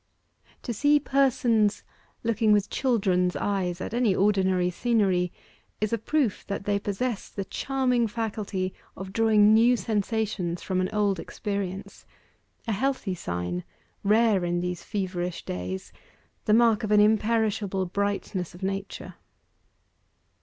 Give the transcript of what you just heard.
To see persons looking with children's eyes at any ordinary scenery, is a proof that they possess the charming faculty of drawing new sensations from an old experience a healthy sign, rare in these feverish days the mark of an imperishable brightness of nature.